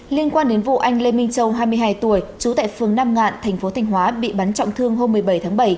liên quan đến vụ anh lê minh châu hai mươi hai tuổi trú tại phường nam ngạn thành phố thanh hóa bị bắn trọng thương hôm một mươi bảy tháng bảy